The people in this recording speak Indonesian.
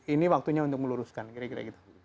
ini waktunya untuk meluruskan kira kira gitu